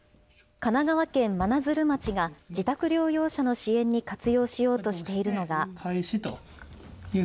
神奈川県真鶴町が自宅療養者の支援に活用しようとしているのが。